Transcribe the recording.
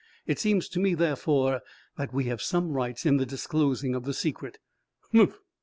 It seems to me, therefore, that we have some rights in the disclosing of the secret." "Humph!"